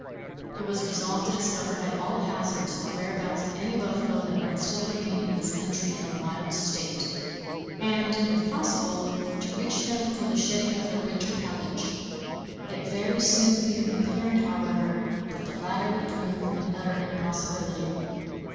It was resolved to discover at all hazards the whereabouts of any buffalo that might still remain in this country in a wild state, and, if possible, to reach them before the shedding of their winter pelage. It very soon became apparent, however, that the latter would prove an utter impossibility.